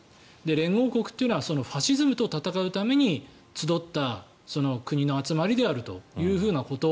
連合国というのはファシズムと戦うために集った国の集まりであるということ。